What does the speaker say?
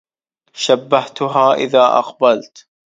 شبهتها إذ أقبلت